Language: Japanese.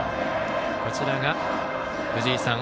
こちらが藤井さん。